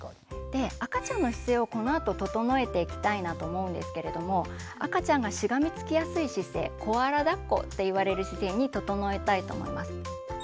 で赤ちゃんの姿勢をこのあと整えていきたいなと思うんですけれども赤ちゃんがしがみつきやすい姿勢「コアラだっこ」って言われる姿勢に整えたいと思います。